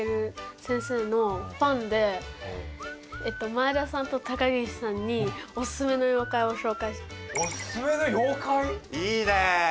前田さんと高岸さんにおすすめの妖怪⁉いいね。